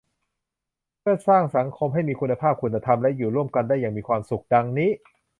เพื่อสร้างสังคมให้มีคุณภาพ คุณธรรม และอยู่ร่วมกันได้อย่างมีความสุข ดังนี้